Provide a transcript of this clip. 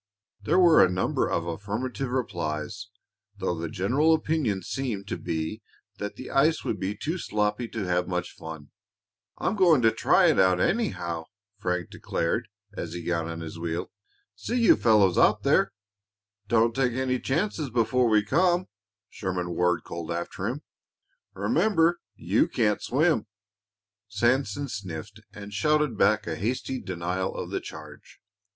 There were a number of affirmative replies, though the general opinion seemed to be that the ice would be too sloppy to have much fun. "I'm going to try it, anyhow," Frank declared, as he got on his wheel. "See you fellows out there." "Don't take any chances before we come," Sherman Ward called after him. "Remember you can't swim." Sanson sniffed and shouted back a hasty denial of the charge.